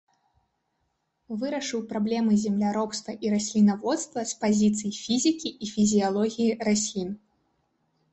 Вырашаў праблемы земляробства і раслінаводства з пазіцый фізікі і фізіялогіі раслін.